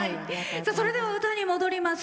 それでは歌に戻ります。